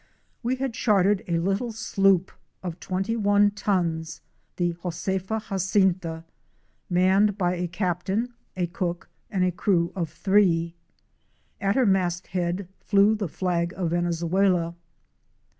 We had chartered a little sloop of twenty one tons, the "Josefa Jacinta" (Ho say/fah Hah seen'tah), manned by a captain, a cook and a crew of three. At her masthead flew the flag of Venezuela.